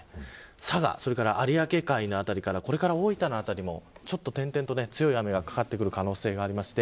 佐賀、それから有明海の辺りから大分の辺りも点々と強い雨がかかる可能性があります。